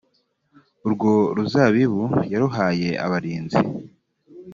urwo ruzabibu yaruhaye abarinzi